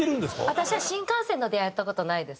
私は新幹線のではやった事ないです。